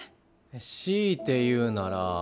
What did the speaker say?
強いて言うなら小沢？